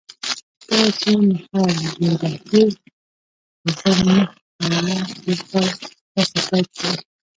کله چې میخایل ګورباچوف په زر نه سوه اووه اتیا کال هڅې پیل کړې